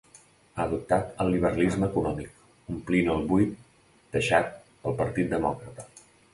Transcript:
Ha adoptat el liberalisme econòmic, omplint el buit deixat pel Partit Demòcrata.